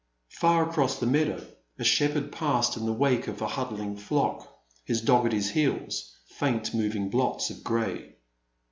Par across the meadow a shepherd passed in the wake of a huddling flock, his dog at his heels, faint moving blots of grey.